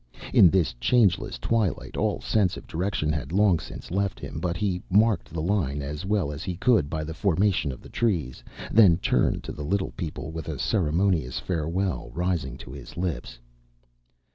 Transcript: In this changeless twilight all sense of direction had long since left him, but he marked the line as well as he could by the formation of the trees, then turned to the little people with a ceremonious farewell rising to his lips.